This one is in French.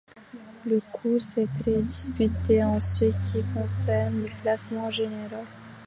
Le course est très disputée en ce qui concerne le classement général.